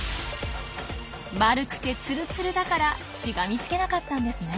丸くてツルツルだからしがみつけなかったんですね。